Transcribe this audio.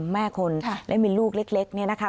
แม่คนและมีลูกเล็กเนี่ยนะคะ